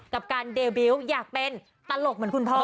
กับการเดบิวต์อยากเป็นตลกเหมือนคุณพ่อ